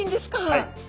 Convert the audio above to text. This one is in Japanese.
はい。